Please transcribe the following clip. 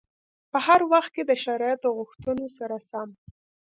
په هر وخت کې د شرایطو غوښتنو سره سم.